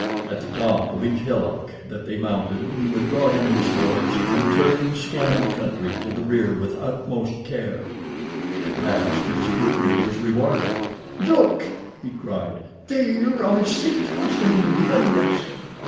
At the top of each hillock that they mounted he would draw in his horse and, turning, scan the country to the rear with utmost care. At last his scrutiny was rewarded. "Look!" he cried. "There are six horsemen behind us."